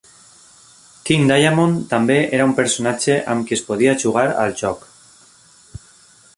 King Diamond també era un personatge amb qui es podia jugar al joc.